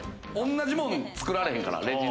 同じものを作られへんから。